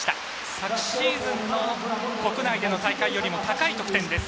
昨シーズンの国内での大会よりも高い得点です。